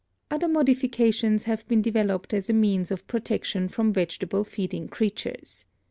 Other modifications have been developed as a means of protection from vegetable feeding creatures.